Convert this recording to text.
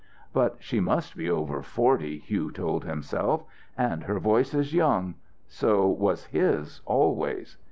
"But she must be over forty," Hugh told himself, "and her voice is young. So was his always."